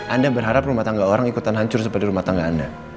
anda berharap rumah tangga orang ikutan hancur seperti rumah tangga anda